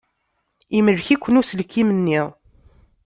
Imlek-iken uselkim-nni.